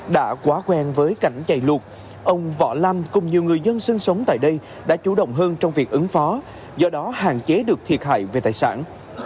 đã quá quen với cảnh chạy lụt ông võ lâm cùng nhiều người dân sinh sống tại đây đã chủ động hơn trong việc ứng phó do đó hạn chế được thiệt hại về tài sản